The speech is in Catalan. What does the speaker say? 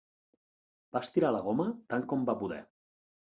Va estirar la goma tant com va poder.